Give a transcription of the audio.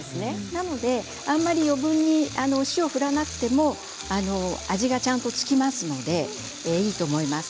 なので余分に塩を振らなくても味がちゃんと付きますのでいいと思います。